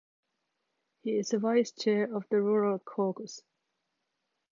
He is a vice-chair of the Rural Caucus.